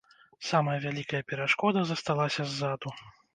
Самая вялікая перашкода засталася ззаду.